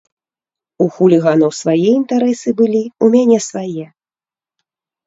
У хуліганаў свае інтарэсы былі, у мяне свае.